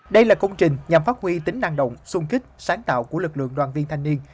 đây là công trình nhằm phát huy tính năng động sung kích sáng tạo của lực lượng đoàn viên thanh niên